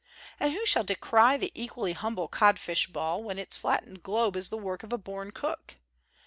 And who shall decry the equally humble codfish ball, when its flattened globe is the work of a born cook?